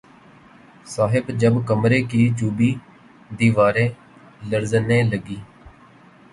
صاحب جب کمرے کی چوبی دیواریں لرزنے لگیں